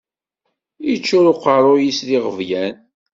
Iččuṛ uqeṛṛuy-is d iɣeblan